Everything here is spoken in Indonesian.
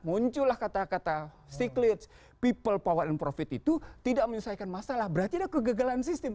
muncullah kata kata sticklits people power and profit itu tidak menyelesaikan masalah berarti ada kegagalan sistem